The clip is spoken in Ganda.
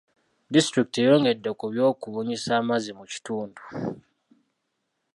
Disitulikiti eyongedde ku ky'okubunyisa amazzi mu kitundu.